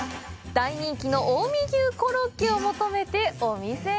大人気の近江牛コロッケを求めてお店へ。